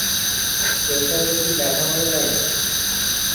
তোর সঙ্গে কি দেখা হয় নাই?